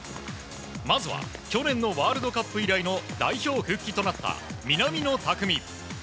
まずは去年のワールドカップ以来の代表復帰となった南野拓実。